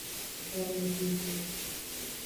Gomejeje.